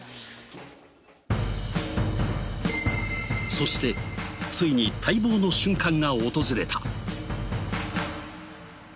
そしてついに待望の瞬間が訪れた！